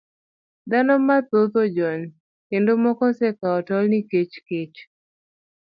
Dhano mathoth ojony kendo moko osekawo tol nikech kech.